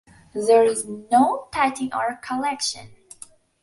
There is no tithing or collection.